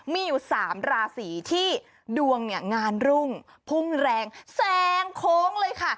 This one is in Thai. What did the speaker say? มีอยู่๓ราศีที่ดวงเนี่ยงานรุ่งพุ่งแรงแซงโค้งเลยค่ะ